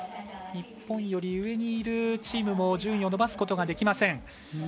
日本より上にいるチームも順位を伸ばすことができません。